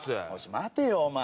待てよお前。